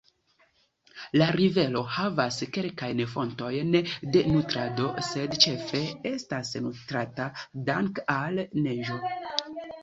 La rivero havas kelkajn fontojn de nutrado, sed ĉefe estas nutrata danke al neĝo.